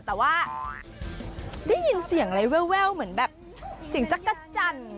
แต่ว่าได้ยินเสียงอะไรแววเหมือนแบบเสียงจักรจันทร์